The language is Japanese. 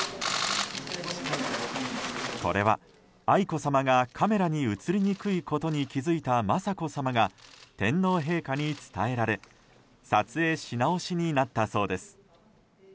これは愛子さまがカメラに映りにくいことに気づいた雅子さまが天皇陛下に伝えられ撮影しなおしになったそうです。